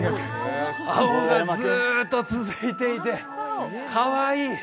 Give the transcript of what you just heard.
青がずっと続いていてかわいい！